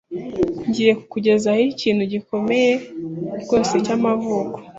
Ngiye kukugezaho ikintu gikomeye rwose cyamavuko.